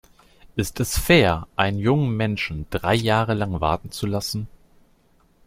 Ist es fair, einen jungen Menschen drei Jahre lang warten zu lassen?